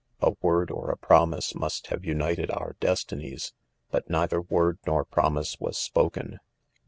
(*) 4 A word of a, premise, must have , united :©ur destinies, hat neither word nor promise was spoken.